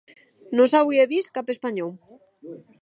Non s'auie vist cap espanhòu.